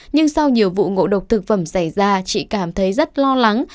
nhưng sau nhiều vụ ngộ độc thực phẩm xảy ra chị cảm thấy rất lo lắng